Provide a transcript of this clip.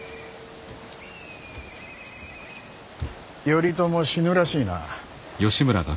頼朝死ぬらしいな。